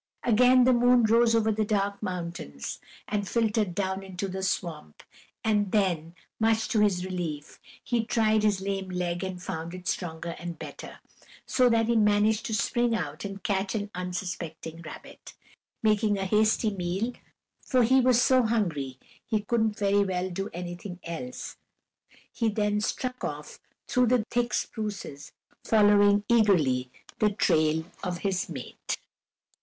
Again the moon rose over the dark mountains, and filtered down into the swamp, and then, much to his relief, he tried his lame leg and found it stronger and better, so that he managed to spring out and catch an unsuspecting rabbit. Making a hasty meal, for he was so hungry he couldn't very well do anything else, he then struck off through the thick spruces, following eagerly the trail of his mate.